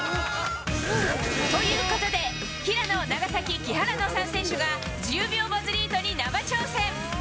ということで、平野、長崎、木原の３選手が、１０秒バズリートに生挑戦。